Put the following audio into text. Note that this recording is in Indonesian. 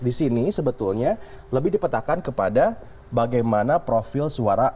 di sini sebetulnya lebih dipetakan kepada bagaimana profil suara